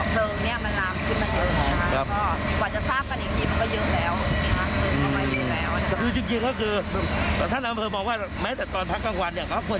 กำชับโรงงานในพื้นที่นะคะให้มีระบบการป้องพันธ์ไทยนะครับ